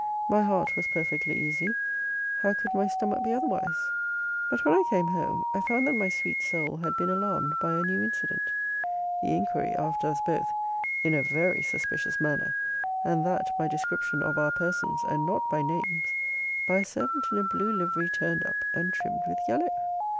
My heart was perfectly easy, how could my stomach be otherwise? But when I came home, I found that my sweet soul had been alarmed by a new incident The inquiry after us both, in a very suspicious manner, and that by description of our persons, and not by names, by a servant in a blue livery turn'd up and trimm'd with yellow.